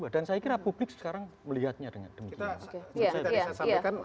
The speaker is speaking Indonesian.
dan saya kira publik sekarang melihatnya dengan demikian